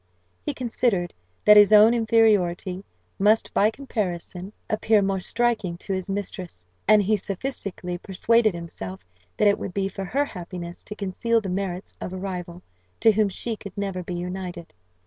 He considered that his own inferiority must by comparison appear more striking to his mistress; and he sophistically persuaded himself that it would be for her happiness to conceal the merits of a rival, to whom she could never be united.